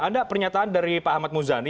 ada pernyataan dari pak ahmad muzani